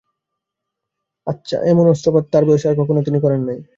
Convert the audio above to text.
এমন অশ্রপাত তাঁর বয়সে আর কখনো তিনি করেন নাই।